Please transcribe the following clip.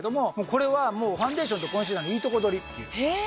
これはファンデーションとコンシーラーのいいとこ取りっていう。